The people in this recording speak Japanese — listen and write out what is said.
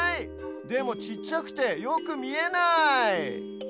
でもちっちゃくてよくみえない！